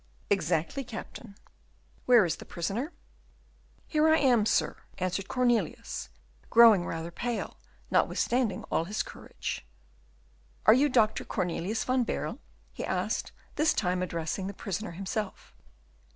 "Exactly, Captain." "Where is the prisoner?" "Here I am, sir," answered Cornelius, growing rather pale, notwithstanding all his courage. "You are Dr. Cornelius van Baerle?" asked he, this time addressing the prisoner himself.